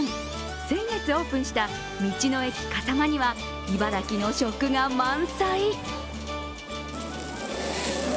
先月オープンした道の駅かさまには茨城の食が満載。